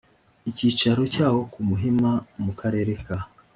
icyicaro cyawo ku muhima mu karere ka